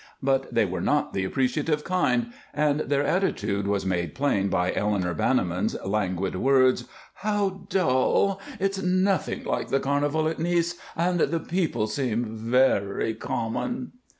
But they were not the appreciative kind, and their attitude was made plain by Eleanor Banniman's languid words: "How dull! It's nothing like the carnival at Nice, and the people seem very common."